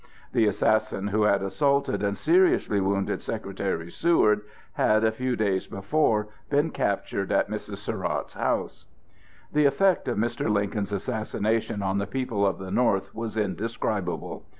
The assassin who had assaulted and seriously wounded Secretary Seward had, a few days before, been captured at Mrs. Surratt's house. The effect of Mr. Lincoln's assassination on the people of the North was indescribable.